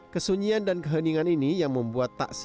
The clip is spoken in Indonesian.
kesunyian dan keheningan ini yang membuat tak sedihkan